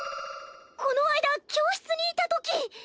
この間教室にいたとき。